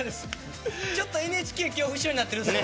ちょっとＮＨＫ恐怖症になってるんですね。